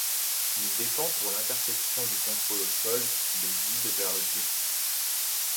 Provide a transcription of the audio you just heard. Il dépend pour l'interception du contrôle au sol qui le guide vers l'objectif.